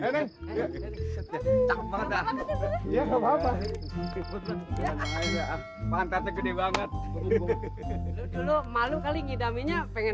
banget dulu dulu malu kali ngidamin nya pengen